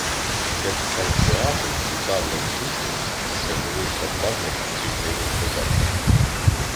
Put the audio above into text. Кетцалькоатль літав над сушею та живився падлом і дрібними хребетними.